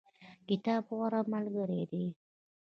کتاب غوره ملګری دی